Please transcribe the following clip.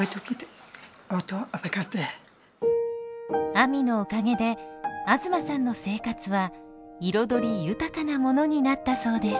あみのおかげで東さんの生活は彩り豊かなものになったそうです。